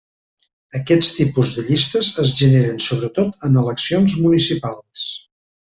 Aquest tipus de llistes es generen sobretot en eleccions municipals.